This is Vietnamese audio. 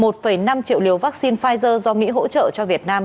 một năm triệu liều vaccine pfizer do mỹ hỗ trợ cho việt nam